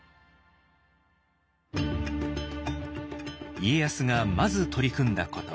家康がまず取り組んだこと。